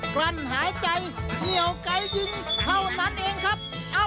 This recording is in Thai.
กลั้นหายใจเหนียวไกลยิงเท่านั้นเองครับ